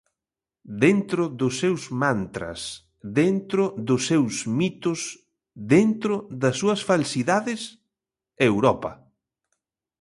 Dentro dos seus mantras, dentro dos seu mitos, dentro das súas falsidades: Europa.